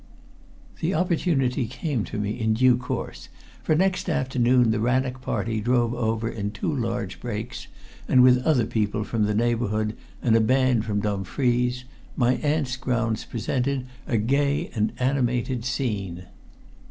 The opportunity came to me in due course, for next afternoon the Rannoch party drove over in two large brakes, and with other people from the neighborhood and a band from Dumfries, my aunt's grounds presented a gay and animated scene.